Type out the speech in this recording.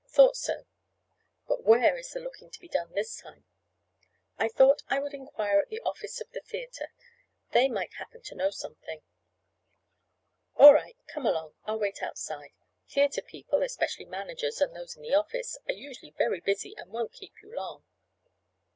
"Thought so. But where is the looking to be done this time?" "I thought I would inquire at the office of the theatre. They might happen to know something." "All right, come along. I'll wait outside. Theatre people, especially managers and those in the office, are usually very busy and won't keep you long."